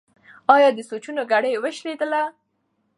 ایا د سوچونو کړۍ وشلیدله؟